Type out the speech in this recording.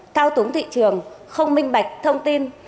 thao túng thị trường không minh bạch thông tin